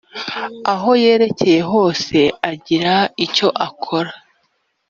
aho yerekeye hose agira icyo akora